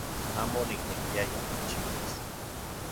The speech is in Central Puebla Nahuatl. Amo oniknekiaya nikchiuas